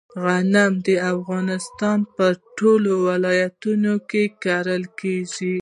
غنم د افغانستان په ټولو ولایتونو کې کرل کیږي.